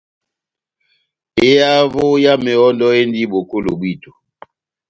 Ehavo ya mehɔ́ndɔ endi bokolo bwíto.